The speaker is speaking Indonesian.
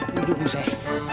duduk dulu shay